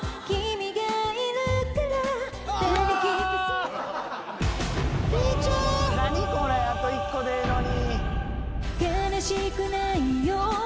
あ！圭ちゃん。何これあと１個でええのに。